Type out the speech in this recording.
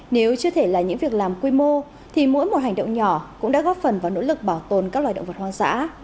nếu chưa thể là những việc làm quy mô thì mỗi một hành động nhỏ cũng đã góp phần vào nỗ lực bảo tồn các loài động vật hoang dã